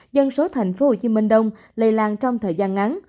dân số thành phố hồ chí minh đông lây lan trong thời gian ngắn